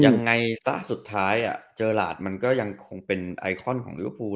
ยังไงซะสุดท้ายอะเจอราดมันก็ยังคงเป็นไอคอนของลิวภูมิ